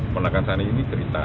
pernahkan saat ini cerita